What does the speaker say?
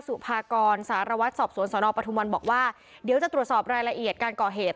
สุภากรสารวัตรสอบสวนสนปทุมวันบอกว่าเดี๋ยวจะตรวจสอบรายละเอียดการก่อเหตุ